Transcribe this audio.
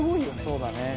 そうだね。